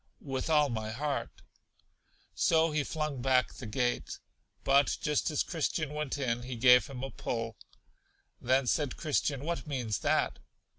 With all my heart. So he flung back the gate. But just as Christian went in, he gave him a pull. Then said Christian: What means that?